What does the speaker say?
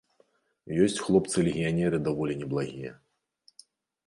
Ёсць хлопцы-легіянеры даволі неблагія.